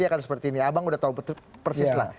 akan seperti ini abang udah tahu persis lah